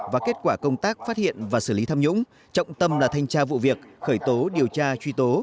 và kết quả công tác phát hiện và xử lý tham nhũng trọng tâm là thanh tra vụ việc khởi tố điều tra truy tố